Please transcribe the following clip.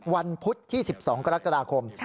พุธที่๑๒กรกฎาคม